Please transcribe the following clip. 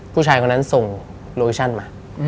ผู้ชายคนนั้นส่งโลเคชั่นมา